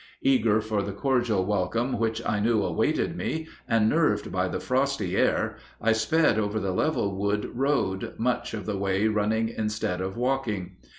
Eager for the cordial welcome which I knew awaited me, and nerved by the frosty air, I sped over the level wood road, much of the way running instead of walking.